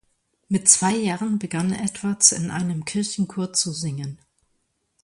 Mit zwei Jahren begann Edwards in einem Kirchenchor zu singen.